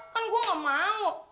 kan gue gak mau